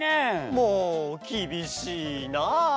もうきびしいな！